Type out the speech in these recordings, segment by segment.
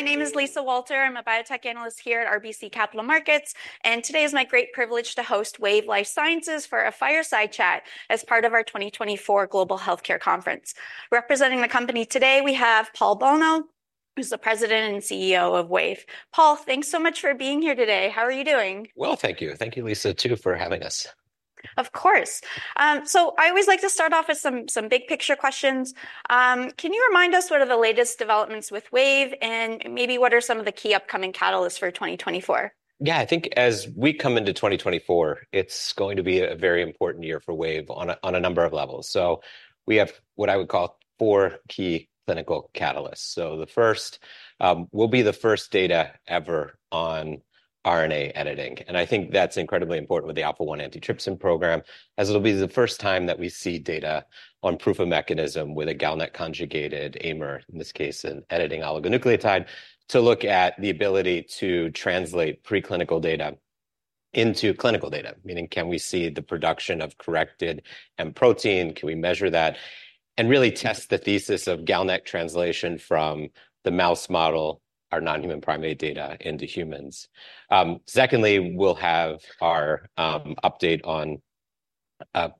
My name is Lisa Walter. I'm a biotech analyst here at RBC Capital Markets, and today is my great privilege to host Wave Life Sciences for a fireside chat as part of our 2024 Global Healthcare Conference. Representing the company today, we have Paul Bolno, who's the President and CEO of Wave. Paul, thanks so much for being here today. How are you doing? Well, thank you. Thank you, Lisa, too, for having us. Of course. So I always like to start off with some big picture questions. Can you remind us what are the latest developments with Wave, and maybe what are some of the key upcoming catalysts for 2024? Yeah, I think as we come into 2024, it's going to be a very important year for Wave on a number of levels. So we have what I would call four key clinical catalysts. So the first will be the first data ever on RNA editing. And I think that's incredibly important with the Alpha-1 antitrypsin program, as it'll be the first time that we see data on proof of mechanism with a GalNAc-conjugated AIMer, in this case an editing oligonucleotide, to look at the ability to translate preclinical data into clinical data, meaning can we see the production of corrected M protein? Can we measure that, and really test the thesis of GalNAc translation from the mouse model, our non-human primate data, into humans? Secondly, we'll have our update on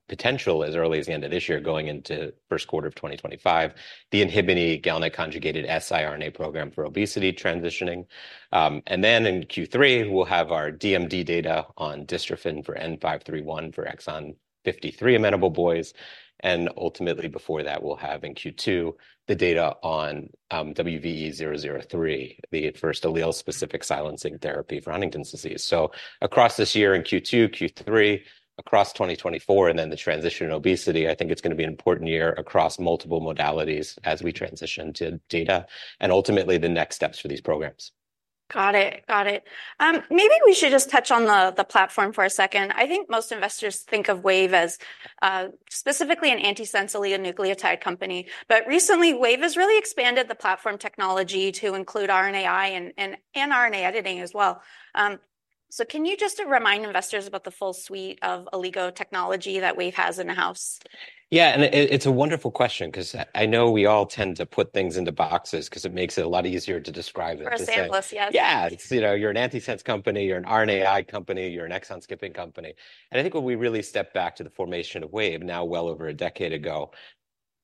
potential as early as the end of this year, going into first quarter of 2025, the inhibin GalNAc-conjugated siRNA program for obesity transitioning. And then in Q3, we'll have our DMD data on dystrophin for N531 for exon 53 amenable boys. And ultimately, before that, we'll have in Q2 the data on WVE-003, the first allele-specific silencing therapy for Huntington's disease. So across this year in Q2, Q3, across 2024, and then the transition to obesity, I think it's going to be an important year across multiple modalities as we transition to data and ultimately the next steps for these programs. Got it, got it. Maybe we should just touch on the platform for a second. I think most investors think of Wave as specifically an antisense oligonucleotide company. But recently, Wave has really expanded the platform technology to include RNAi and RNA editing as well. So can you just remind investors about the full suite of oligo technology that Wave has in-house? Yeah, and it's a wonderful question because I know we all tend to put things into boxes because it makes it a lot easier to describe it. For example, yes. Yeah, it's, you know, you're an antisense company, you're an RNAi company, you're an exon-skipping company. And I think when we really stepped back to the formation of Wave now well over a decade ago,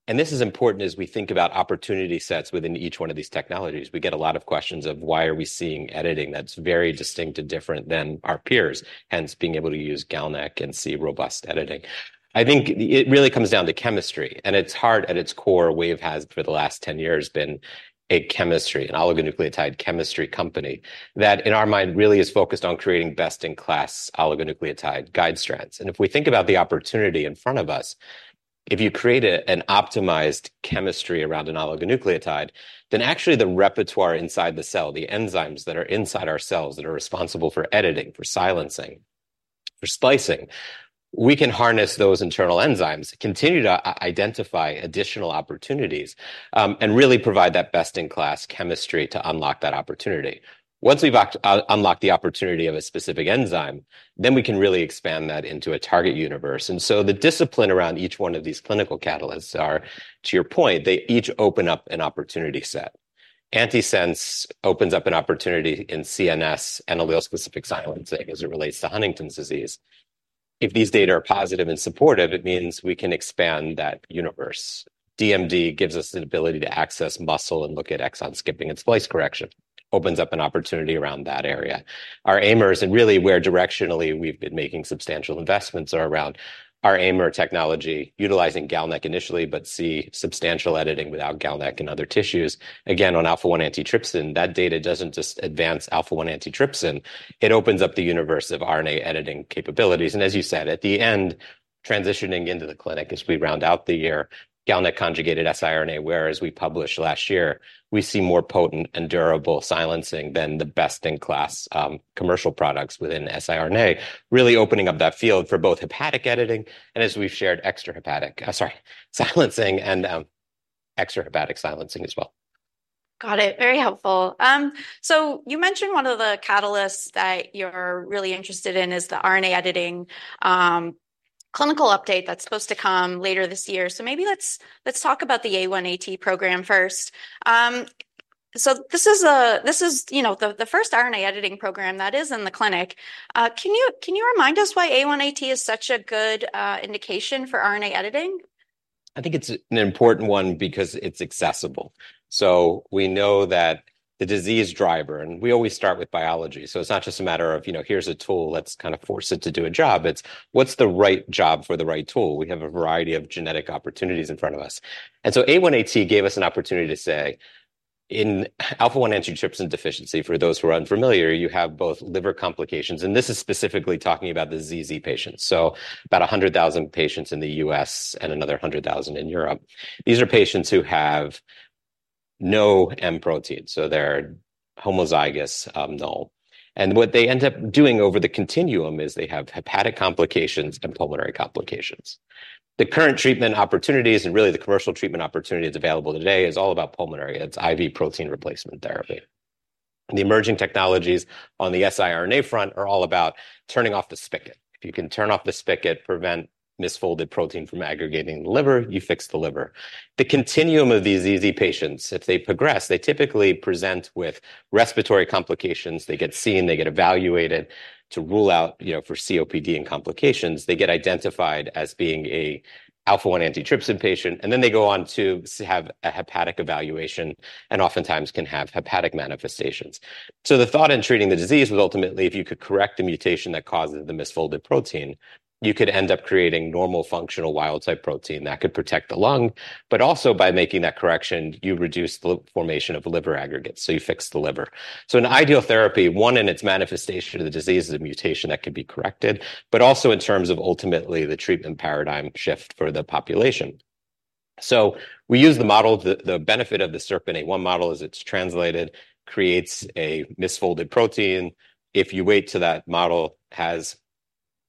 and this is important as we think about opportunity sets within each one of these technologies, we get a lot of questions of why are we seeing editing that's very distinct and different than our peers, hence being able to use GalNAc and see robust editing. I think it really comes down to chemistry. And it's hard at its core, Wave has for the last 10 years been a chemistry, an oligonucleotide chemistry company that, in our mind, really is focused on creating best-in-class oligonucleotide guide strands. If we think about the opportunity in front of us, if you create an optimized chemistry around an oligonucleotide, then actually the repertoire inside the cell, the enzymes that are inside our cells that are responsible for editing, for silencing, for splicing, we can harness those internal enzymes, continue to identify additional opportunities, and really provide that best-in-class chemistry to unlock that opportunity. Once we've unlocked the opportunity of a specific enzyme, then we can really expand that into a target universe. And so the discipline around each one of these clinical catalysts are, to your point, they each open up an opportunity set. Antisense opens up an opportunity in CNS and allele-specific silencing as it relates to Huntington's disease. If these data are positive and supportive, it means we can expand that universe. DMD gives us the ability to access muscle and look at exon-skipping and splice correction, opens up an opportunity around that area. Our AIMers, and really where directionally we've been making substantial investments, are around our AIMer technology, utilizing GalNAc initially, but see substantial editing without GalNAc in other tissues. Again, on Alpha-1 antitrypsin, that data doesn't just advance Alpha-1 antitrypsin. It opens up the universe of RNA editing capabilities. And as you said, at the end, transitioning into the clinic, as we round out the year, GalNAc-conjugated siRNA, whereas we published last year, we see more potent and durable silencing than the best-in-class commercial products within siRNA, really opening up that field for both hepatic editing and, as we've shared, extra hepatic, sorry, silencing and extra hepatic silencing as well. Got it. Very helpful. So you mentioned one of the catalysts that you're really interested in is the RNA editing clinical update that's supposed to come later this year. So maybe let's talk about the A1AT program first. So this is, you know, the first RNA editing program that is in the clinic. Can you remind us why A1AT is such a good indication for RNA editing? I think it's an important one because it's accessible. So we know that the disease driver - and we always start with biology - so it's not just a matter of, you know, here's a tool, let's kind of force it to do a job. It's what's the right job for the right tool? We have a variety of genetic opportunities in front of us. And so A1AT gave us an opportunity to say, in Alpha-1 antitrypsin deficiency, for those who are unfamiliar, you have both liver complications. And this is specifically talking about the ZZ patients, so about 100,000 patients in the U.S. and another 100,000 in Europe. These are patients who have no M protein, so they're homozygous null. And what they end up doing over the continuum is they have hepatic complications and pulmonary complications. The current treatment opportunities and really the commercial treatment opportunities available today is all about pulmonary. It's IV protein replacement therapy. The emerging technologies on the siRNA front are all about turning off the spigot. If you can turn off the spigot, prevent misfolded protein from aggregating in the liver, you fix the liver. The continuum of these ZZ patients, if they progress, they typically present with respiratory complications. They get seen, they get evaluated to rule out, you know, for COPD and complications. They get identified as being an Alpha-1 antitrypsin patient, and then they go on to have a hepatic evaluation and oftentimes can have hepatic manifestations. So the thought in treating the disease was ultimately, if you could correct the mutation that causes the misfolded protein, you could end up creating normal functional wild-type protein that could protect the lung. But also by making that correction, you reduce the formation of liver aggregates, so you fix the liver. So an ideal therapy, one, in its manifestation of the disease is a mutation that could be corrected, but also in terms of ultimately the treatment paradigm shift for the population. So we use the model. The benefit of the SERPINA1 model is it's translated, creates a misfolded protein. If you wait to that model has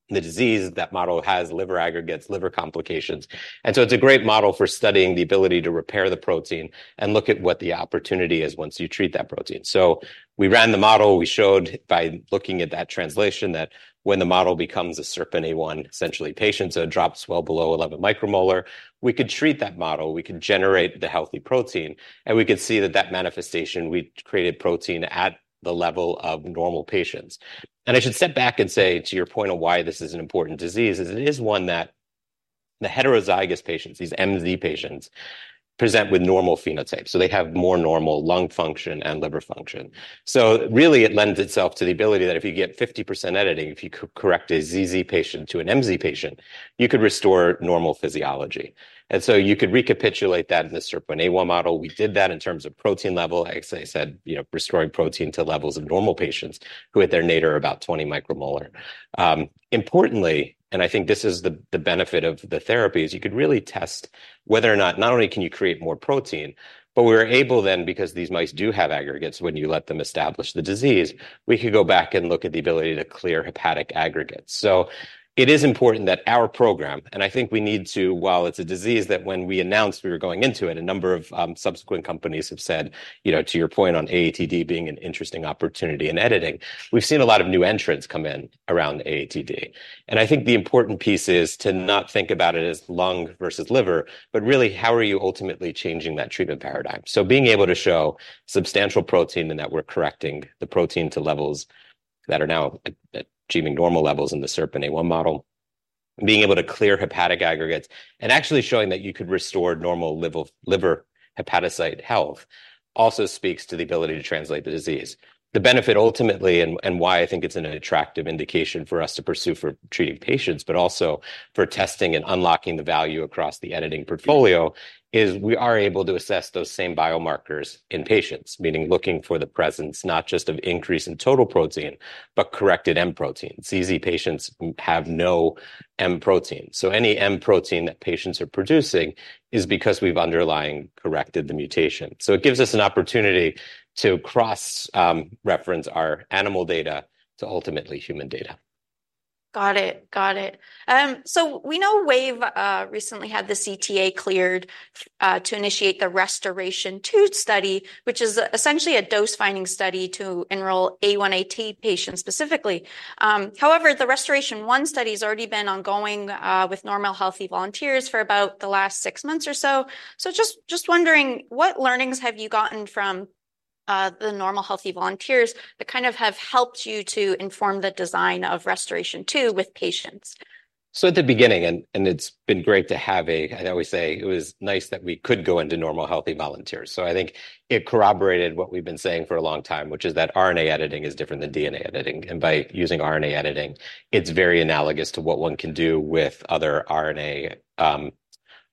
the disease, that model has liver aggregates, liver complications. And so it's a great model for studying the ability to repair the protein and look at what the opportunity is once you treat that protein. So we ran the model. We showed by looking at that translation that when the model becomes a SERPINA1 essentially patient, so it drops well below 11 micromolar, we could treat that model, we could generate the healthy protein, and we could see that that manifestation, we created protein at the level of normal patients. And I should step back and say, to your point of why this is an important disease, is it is one that the heterozygous patients, these MZ patients, present with normal phenotypes. So they have more normal lung function and liver function. So really, it lends itself to the ability that if you get 50% editing, if you could correct a ZZ patient to an MZ patient, you could restore normal physiology. And so you could recapitulate that in the SERPINA1 model. We did that in terms of protein level, as I said, you know, restoring protein to levels of normal patients who at their native are about 20 micromolar. Importantly, and I think this is the benefit of the therapies, you could really test whether or not not only can you create more protein, but we were able then, because these mice do have aggregates, when you let them establish the disease, we could go back and look at the ability to clear hepatic aggregates. So it is important that our program, and I think we need to, while it's a disease that when we announced we were going into it, a number of subsequent companies have said, you know, to your point on AATD being an interesting opportunity in editing, we've seen a lot of new entrants come in around AATD. And I think the important piece is to not think about it as lung versus liver, but really how are you ultimately changing that treatment paradigm? So being able to show substantial protein in that we're correcting the protein to levels that are now achieving normal levels in the SERPINA1 model, being able to clear hepatic aggregates, and actually showing that you could restore normal liver hepatocyte health also speaks to the ability to translate the disease. The benefit ultimately, and why I think it's an attractive indication for us to pursue for treating patients, but also for testing and unlocking the value across the editing portfolio, is we are able to assess those same biomarkers in patients, meaning looking for the presence not just of increase in total protein, but corrected M protein. ZZ patients have no M protein. So any M protein that patients are producing is because we've underlying corrected the mutation. So it gives us an opportunity to cross-reference our animal data to ultimately human data. Got it, got it. So we know Wave recently had the CTA cleared to initiate the RestorAATion-2 study, which is essentially a dose-finding study to enroll A1AT patients specifically. However, the RestorAATion-1 study has already been ongoing with normal healthy volunteers for about the last six months or so. So just wondering, what learnings have you gotten from the normal healthy volunteers that kind of have helped you to inform the design of RestorAATion-2 with patients? So at the beginning, and it's been great to have a—I always say it was nice that we could go into normal healthy volunteers. So I think it corroborated what we've been saying for a long time, which is that RNA editing is different than DNA editing. And by using RNA editing, it's very analogous to what one can do with other RNA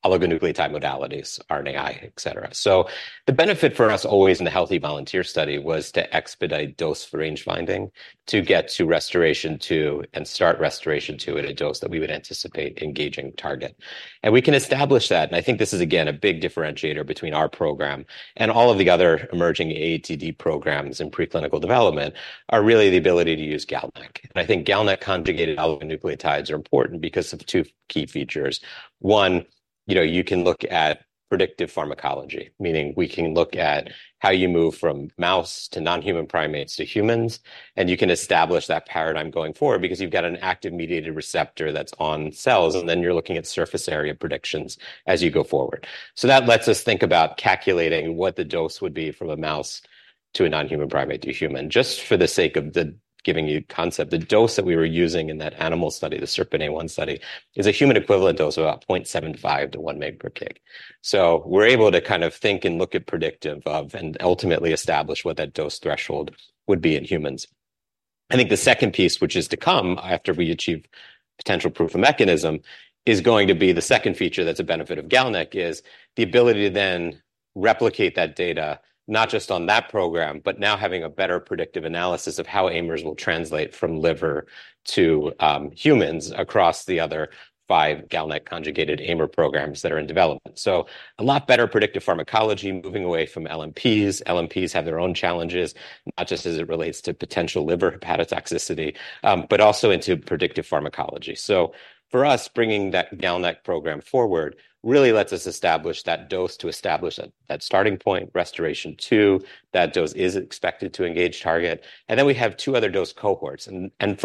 oligonucleotide modalities, RNAi, etc. So the benefit for us always in the healthy volunteer study was to expedite dose range finding, to get to RestorAATion-2 and start RestorAATion-2 at a dose that we would anticipate engaging target. And we can establish that. And I think this is, again, a big differentiator between our program and all of the other emerging AATD programs in preclinical development are really the ability to use GalNAc. And I think GalNAc-conjugated oligonucleotides are important because of two key features. One, you know, you can look at predictive pharmacology, meaning we can look at how you move from mouse to non-human primates to humans. And you can establish that paradigm going forward because you've got an active mediated receptor that's on cells, and then you're looking at surface area predictions as you go forward. So that lets us think about calculating what the dose would be from a mouse to a non-human primate to human. Just for the sake of giving you concept, the dose that we were using in that animal study, the SERPINA1 study, is a human equivalent dose of about 0.75 mg/kg-1 mg/kg. So we're able to kind of think and look at predictive of and ultimately establish what that dose threshold would be in humans. I think the second piece, which is to come after we achieve potential proof of mechanism, is going to be the second feature that's a benefit of GalNAc is the ability to then replicate that data, not just on that program, but now having a better predictive analysis of how AIMers will translate from liver to humans across the other five GalNAc-conjugated AIMer programs that are in development. So a lot better predictive pharmacology, moving away from LNPs. LNPs have their own challenges, not just as it relates to potential liver hepatotoxicity, but also into predictive pharmacology. So for us, bringing that GalNAc program forward really lets us establish that dose to establish that starting point, RestorAATion-2, that dose is expected to engage target. And then we have two other dose cohorts. For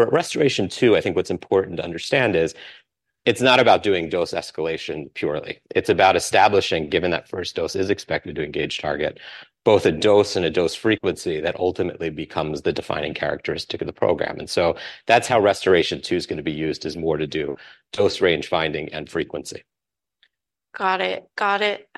RestorAATion-2, I think what's important to understand is it's not about doing dose escalation purely. It's about establishing, given that first dose is expected to engage target, both a dose and a dose frequency that ultimately becomes the defining characteristic of the program. And so that's how RestorAATion-2 is going to be used as more to do dose range finding and frequency. Got it, got it.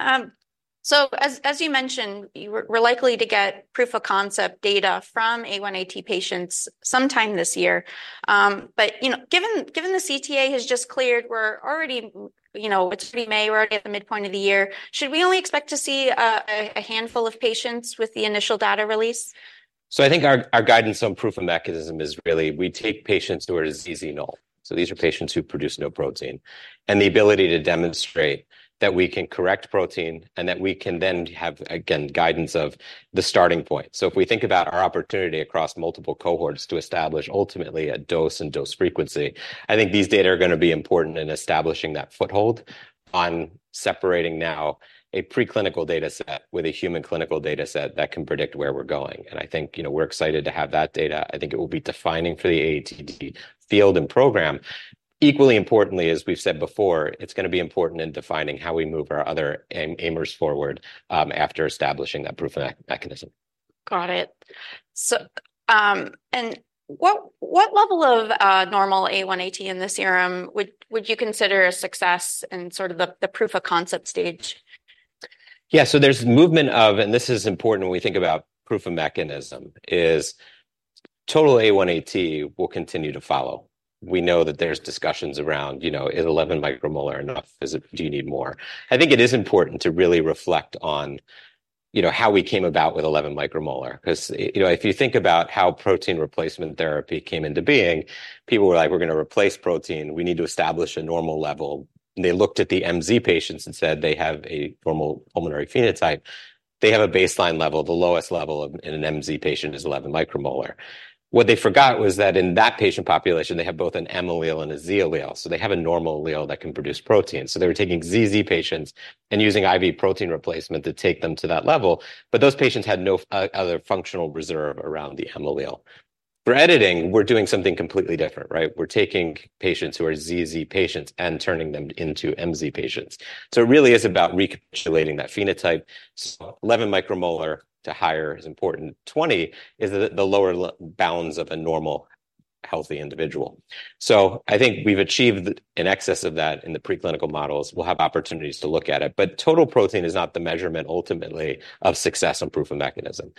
So as you mentioned, we're likely to get proof of concept data from A1AT patients sometime this year. But, you know, given the CTA has just cleared, we're already, you know, it's already May, we're already at the midpoint of the year. Should we only expect to see a handful of patients with the initial data release? So I think our guidance on proof of mechanism is really we take patients who are disease null. So these are patients who produce no protein. And the ability to demonstrate that we can correct protein and that we can then have, again, guidance of the starting point. So if we think about our opportunity across multiple cohorts to establish ultimately a dose and dose frequency, I think these data are going to be important in establishing that foothold on separating now a preclinical data set with a human clinical data set that can predict where we're going. And I think, you know, we're excited to have that data. I think it will be defining for the AATD field and program. Equally importantly, as we've said before, it's going to be important in defining how we move our other AIMers forward after establishing that proof of mechanism. Got it. And what level of normal A1AT in the serum would you consider a success in sort of the proof of concept stage? Yeah, so there's movement of, and this is important when we think about proof of mechanism, is total A1AT will continue to follow. We know that there's discussions around, you know, is 11 micromolar enough? Do you need more? I think it is important to really reflect on, you know, how we came about with 11 micromolar. Because, you know, if you think about how protein replacement therapy came into being, people were like, we're going to replace protein. We need to establish a normal level. They looked at the MZ patients and said they have a normal pulmonary phenotype. They have a baseline level. The lowest level in an MZ patient is 11 micromolar. What they forgot was that in that patient population, they have both an M allele and a Z allele. So they have a normal allele that can produce protein. So they were taking ZZ patients and using IV protein replacement to take them to that level. But those patients had no other functional reserve around the M allele. For editing, we're doing something completely different, right? We're taking patients who are ZZ patients and turning them into MZ patients. So it really is about recapitulating that phenotype. So 11 micromolar to higher is important. 20 is the lower bounds of a normal healthy individual. So I think we've achieved an excess of that in the preclinical models. We'll have opportunities to look at it. But total protein is not the measurement ultimately of success on proof of mechanism.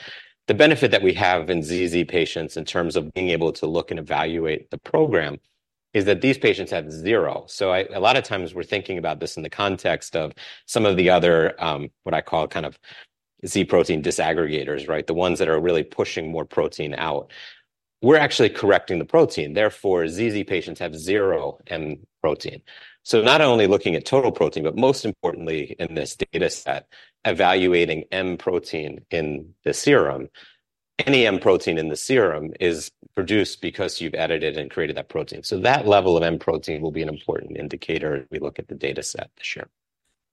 The benefit that we have in ZZ patients in terms of being able to look and evaluate the program is that these patients have zero. So a lot of times we're thinking about this in the context of some of the other what I call kind of Z protein disaggregators, right? The ones that are really pushing more protein out. We're actually correcting the protein. Therefore, ZZ patients have zero M protein. So not only looking at total protein, but most importantly in this data set, evaluating M protein in the serum. Any M protein in the serum is produced because you've edited and created that protein. So that level of M protein will be an important indicator as we look at the data set this year.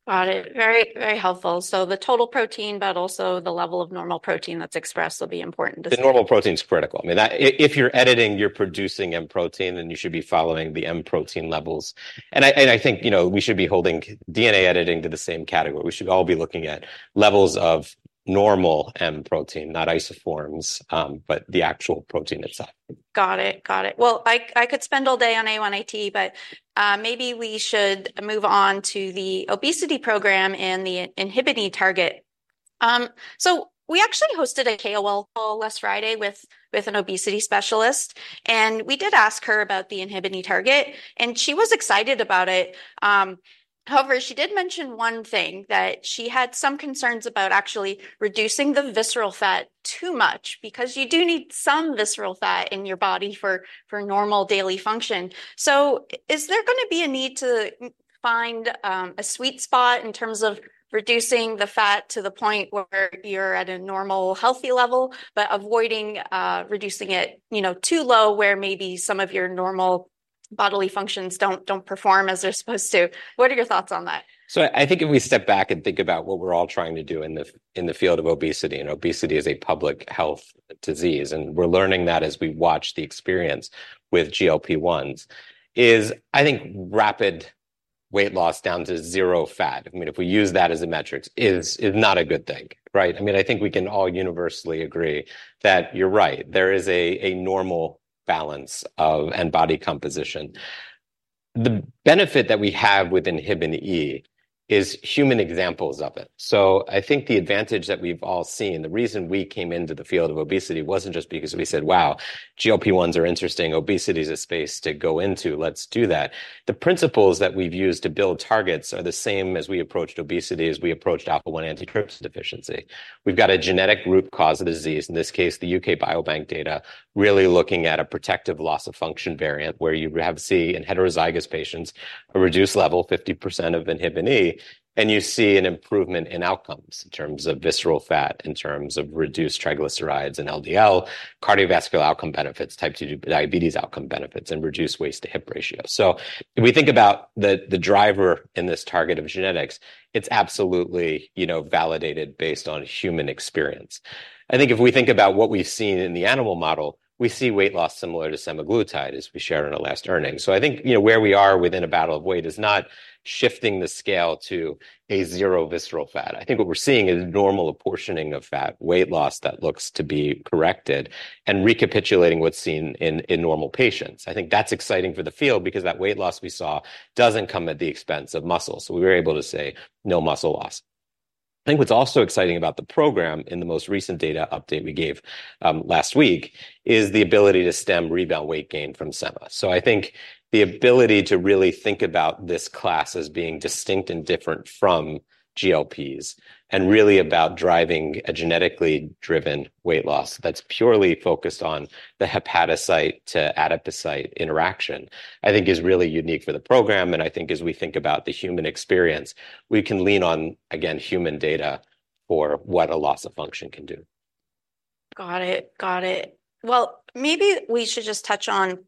Got it. Very, very helpful. So the total protein, but also the level of normal protein that's expressed will be important to see. The normal protein is critical. I mean, if you're editing, you're producing M protein, then you should be following the M protein levels. I think, you know, we should be holding DNA editing to the same category. We should all be looking at levels of normal M protein, not isoforms, but the actual protein itself. Got it, got it. Well, I could spend all day on A1AT, but maybe we should move on to the obesity program and the inhibin target. So we actually hosted a KOL last Friday with an obesity specialist. And we did ask her about the inhibin target. And she was excited about it. However, she did mention one thing, that she had some concerns about actually reducing the visceral fat too much, because you do need some visceral fat in your body for normal daily function. So is there going to be a need to find a sweet spot in terms of reducing the fat to the point where you're at a normal healthy level, but avoiding reducing it, you know, too low where maybe some of your normal bodily functions don't perform as they're supposed to? What are your thoughts on that? So I think if we step back and think about what we're all trying to do in the field of obesity, and obesity is a public health disease, and we're learning that as we watch the experience with GLP-1s, is I think rapid weight loss down to zero fat. I mean, if we use that as a metric, it's not a good thing, right? I mean, I think we can all universally agree that you're right. There is a normal balance of and body composition. The benefit that we have with inhibin E is human examples of it. So I think the advantage that we've all seen, the reason we came into the field of obesity wasn't just because we said, wow, GLP-1s are interesting. Obesity is a space to go into. Let's do that. The principles that we've used to build targets are the same as we approached obesity, as we approached Alpha-1 antitrypsin deficiency. We've got a genetic root cause of the disease. In this case, the UK Biobank data, really looking at a protective loss of function variant where you see in heterozygous patients a reduced level, 50% of inhibin E, and you see an improvement in outcomes in terms of visceral fat, in terms of reduced triglycerides and LDL, cardiovascular outcome benefits, type 2 diabetes outcome benefits, and reduced waist-to-hip ratio. So if we think about the driver in this target of genetics, it's absolutely, you know, validated based on human experience. I think if we think about what we've seen in the animal model, we see weight loss similar to semaglutide as we shared in our last earnings. So I think, you know, where we are within a battle of weight is not shifting the scale to a zero visceral fat. I think what we're seeing is normal apportioning of fat, weight loss that looks to be corrected, and recapitulating what's seen in normal patients. I think that's exciting for the field because that weight loss we saw doesn't come at the expense of muscle. So we were able to say no muscle loss. I think what's also exciting about the program in the most recent data update we gave last week is the ability to stem rebound weight gain from sema. So I think the ability to really think about this class as being distinct and different from GLPs, and really about driving a genetically driven weight loss that's purely focused on the hepatocyte to adipocyte interaction, I think is really unique for the program. I think as we think about the human experience, we can lean on, again, human data for what a loss of function can do. Got it, got it. Well, maybe we should just touch on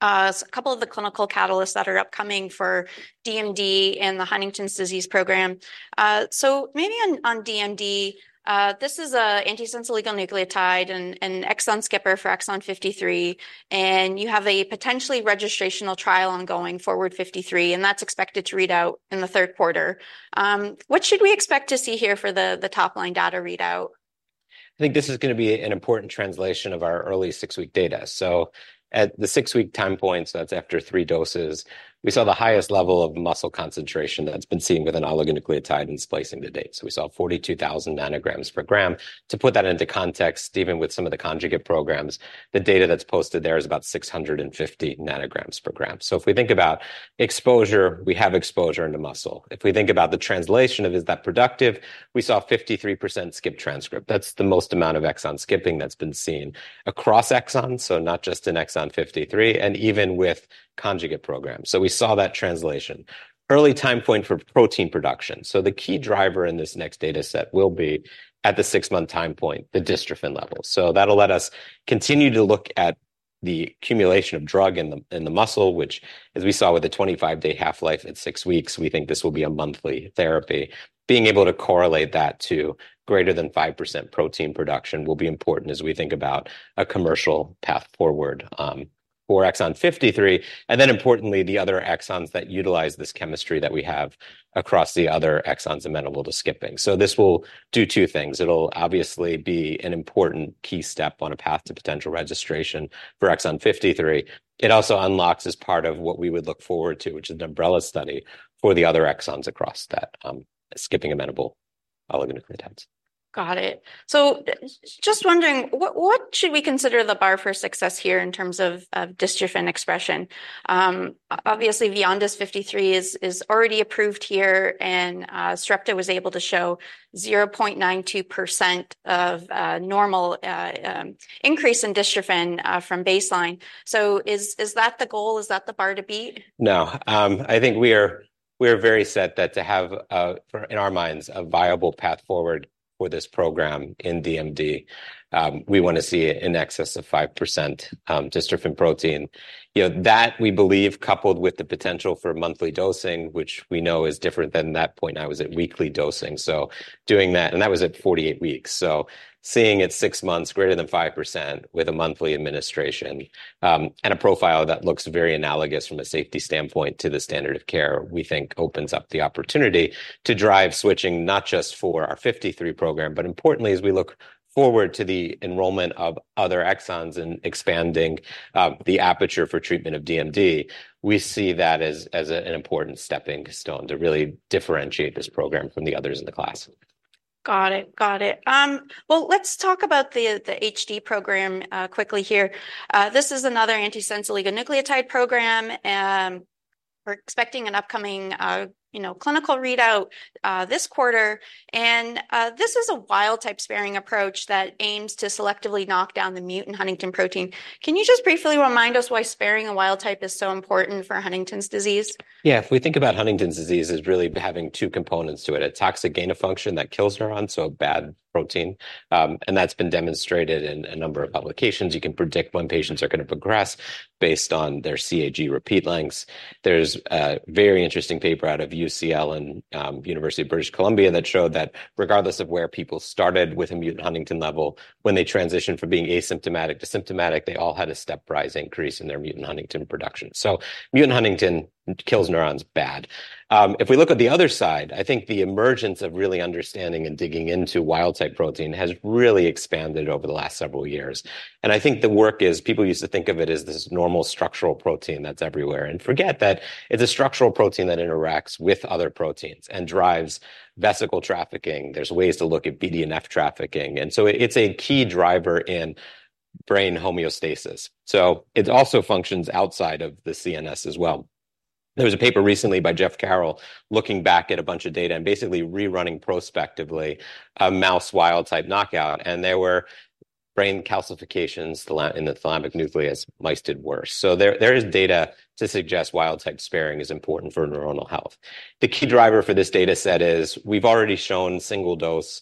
a couple of the clinical catalysts that are upcoming for DMD and the Huntington's disease program. So maybe on DMD, this is an antisense oligonucleotide and exon skipper for exon 53. And you have a potentially registrational trial ongoing, FORWARD-53, and that's expected to read out in the third quarter. What should we expect to see here for the topline data readout? I think this is going to be an important translation of our early six-week data. So at the six-week time point, so that's after three doses, we saw the highest level of muscle concentration that's been seen with an oligonucleotide in splicing to date. So we saw 42,000 nanograms per gram. To put that into context, even with some of the conjugate programs, the data that's posted there is about 650 nanograms per gram. So if we think about exposure, we have exposure into muscle. If we think about the translation of is that productive, we saw 53% skip transcript. That's the most amount of exon skipping that's been seen across exons, so not just in exon 53, and even with conjugate programs. So we saw that translation. Early time point for protein production. So the key driver in this next data set will be, at the six-month time point, the dystrophin level. So that'll let us continue to look at the accumulation of drug in the muscle, which, as we saw with the 25-day half-life at six weeks, we think this will be a monthly therapy. Being able to correlate that to greater than 5% protein production will be important as we think about a commercial path forward for exon 53. And then importantly, the other exons that utilize this chemistry that we have across the other exons amenable to skipping. So this will do two things. It'll obviously be an important key step on a path to potential registration for exon 53. It also unlocks, as part of what we would look forward to, which is an umbrella study for the other exons across that skipping amenable oligonucleotides. Got it. So just wondering, what should we consider the bar for success here in terms of dystrophin expression? Obviously, VYONDYS 53 is already approved here, and Sarepta was able to show 0.92% of normal increase in dystrophin from baseline. So is that the goal? Is that the bar to beat? No. I think we are very set that to have, in our minds, a viable path forward for this program in DMD. We want to see an excess of 5% dystrophin protein. You know, that, we believe, coupled with the potential for monthly dosing, which we know is different than that point. I was at weekly dosing. So doing that, and that was at 48 weeks. So seeing at six months, greater than 5% with a monthly administration, and a profile that looks very analogous from a safety standpoint to the standard of care, we think opens up the opportunity to drive switching not just for our 53 program, but importantly, as we look forward to the enrollment of other exons and expanding the aperture for treatment of DMD, we see that as an important stepping stone to really differentiate this program from the others in the class. Got it, got it. Well, let's talk about the HD program quickly here. This is another antisense oligonucleotide program. We're expecting an upcoming, you know, clinical readout this quarter. This is a wild-type sparing approach that aims to selectively knock down the mutant huntingtin protein. Can you just briefly remind us why sparing a wild-type is so important for Huntington's disease? Yeah, if we think about Huntington's disease, it's really having two components to it. It's a toxic gain of function that kills neurons, so a bad protein. And that's been demonstrated in a number of publications. You can predict when patients are going to progress based on their CAG repeat lengths. There's a very interesting paper out of UCL and University of British Columbia that showed that regardless of where people started with a mutant huntingtin level, when they transitioned from being asymptomatic to symptomatic, they all had a stepwise increase in their mutant huntingtin production. So mutant huntingtin kills neurons bad. If we look at the other side, I think the emergence of really understanding and digging into wild-type protein has really expanded over the last several years. I think the work is, people used to think of it as this normal structural protein that's everywhere, and forget that it's a structural protein that interacts with other proteins and drives vesicle trafficking. There's ways to look at BDNF trafficking. And so it's a key driver in brain homeostasis. So it also functions outside of the CNS as well. There was a paper recently by Jeff Carroll looking back at a bunch of data and basically rerunning prospectively a mouse wild type knockout, and there were brain calcifications in the thalamic nucleus. Mice did worse. So there is data to suggest wild type sparing is important for neuronal health. The key driver for this data set is we've already shown single dose,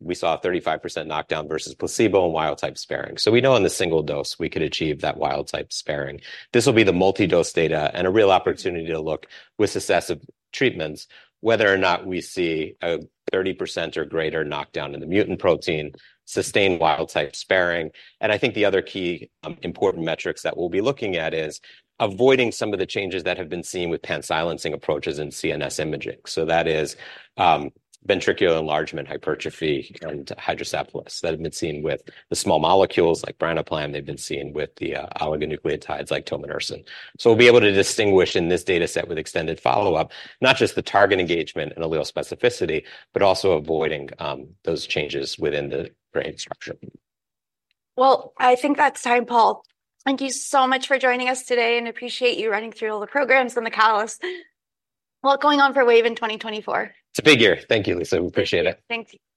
we saw a 35% knockdown versus placebo and wild type sparing. So we know on the single dose, we could achieve that wild type sparing. This will be the multi-dose data and a real opportunity to look with successive treatments, whether or not we see a 30% or greater knockdown in the mutant protein, sustained wild-type sparing. And I think the other key important metrics that we'll be looking at is avoiding some of the changes that have been seen with pan-silencing approaches in CNS imaging. So that is ventricular enlargement, hypertrophy, and hydrocephalus that have been seen with the small molecules like branaplam. They've been seen with the oligonucleotides like tominersen. So we'll be able to distinguish in this data set with extended follow-up, not just the target engagement and allele specificity, but also avoiding those changes within the brain structure. Well, I think that's time, Paul. Thank you so much for joining us today, and appreciate you running through all the programs and the catalysts. What's going on for Wave in 2024? It's a big year. Thank you, Lisa. We appreciate it. Thank you.